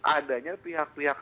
adanya pihak pihak